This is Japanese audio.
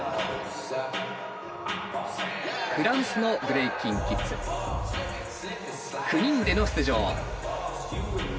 フランスのブレイキン・キッズ９人での出場。